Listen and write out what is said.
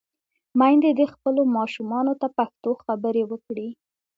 میندې دې خپلو ماشومانو ته پښتو خبرې وکړي.